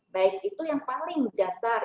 baik itu yang paling dasar